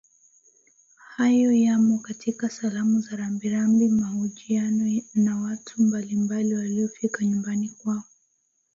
Hayo yamo katika salamu za rambirambi mahojiano na watu mbalimbali waliofika nyumbani kwao